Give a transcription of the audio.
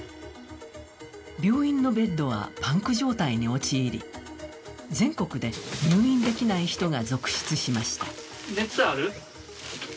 病院のベッドはパンク状態に陥り全国で入院できない人が続出しました。